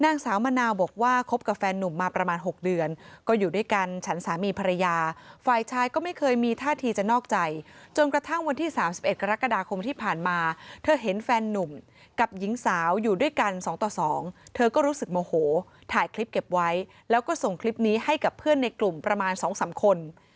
นางสาวมะนาวบอกว่าคบกับแฟนนุ่มมาประมาณ๖เดือนก็อยู่ด้วยกันฉันสามีภรรยาฝ่ายชายก็ไม่เคยมีท่าทีจะนอกใจจนกระทั่งวันที่๓๑กรกฎาคมที่ผ่านมาเธอเห็นแฟนนุ่มกับหญิงสาวอยู่ด้วยกันสองต่อสองเธอก็รู้สึกโมโหถ่ายคลิปเก็บไว้แล้วก็ส่งคลิปนี้ให้กับเพื่อนในกลุ่มประมาณ๒๓คน